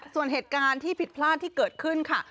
ส่วนเหตุการณ์ที่ผิดพลาดที่เกิดขึ้นค่ะ